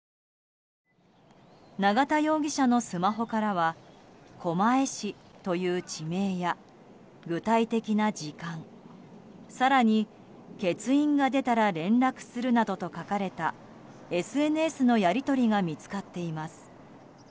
永田容疑者のスマホからは狛江市という地名や具体的な時間更に欠員が出たら連絡するなどと書かれたＳＮＳのやり取りが見つかっています。